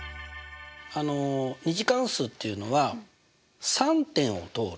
２次関数っていうのは３点を通る。